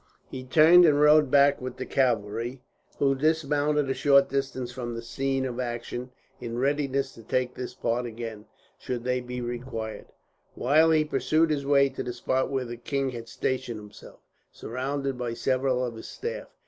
He turned and rode back with the cavalry, who dismounted a short distance from the scene of action, in readiness to take their part again, should they be required; while he pursued his way to the spot where the king had stationed himself, surrounded by several of his staff.